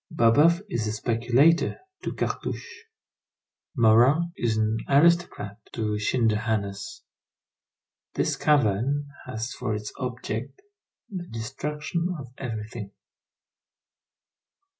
Babeuf is a speculator to Cartouche; Marat is an aristocrat to Schinderhannes. This cavern has for its object the destruction of everything.